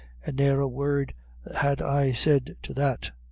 And ne'er a word had I to say to that.